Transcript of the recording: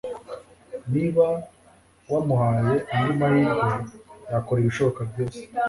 Niba wamuhaye andi mahirwe, yakora ibishoboka byose.